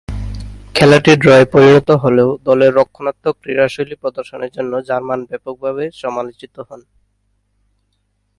খেলাটি ড্রয়ে পরিণত হলেও দলের রক্ষণাত্মক ক্রীড়াশৈলী প্রদর্শনের জন্য জার্মান ব্যাপকভাবে সমালোচিত হন।